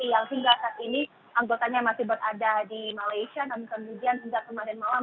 saya menunggu di depan kbri untuk mendapatkan informasi terkini dari ppln kuala lumpur atau bahkan dari bawah seluruh mnj